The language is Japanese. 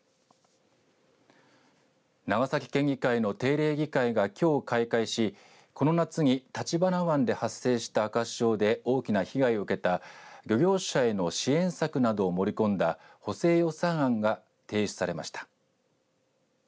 長崎県議会の定例議会がきょう開会しこの夏に橘湾で発生した赤潮で大きな被害を受けた漁業者への支援策などを盛り込んだ補正予算案が提出されました。